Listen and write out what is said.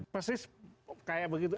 persis kayak begitu